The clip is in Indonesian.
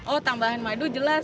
oh tambahan madu jelas